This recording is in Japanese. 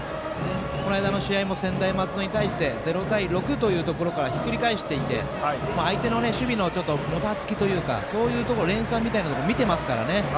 この間の試合も専大松戸に対して０対６というところからひっくり返していて相手の守備のもたつきというか連鎖みたいなものを見てますからね。